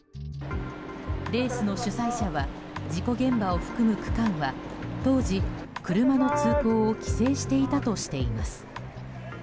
レースの主催者は事故現場を含む区間は当時、車の通行を規制していたとしています。